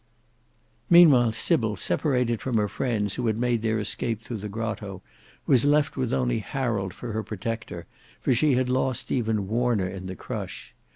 Meanwhile Sybil, separated from her friends who had made their escape through the grotto, was left with only Harold for her protector, for she had lost even Warner in the crush.